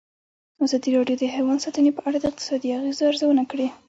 ازادي راډیو د حیوان ساتنه په اړه د اقتصادي اغېزو ارزونه کړې.